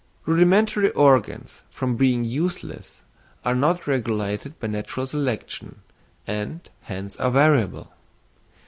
Rudimentary organs, from being useless, are not regulated by natural selection, and hence are variable.